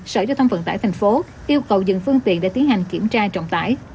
sở giao thông phận tải tp yêu cầu dừng phương tiện để tiến hành kiểm tra trọng tải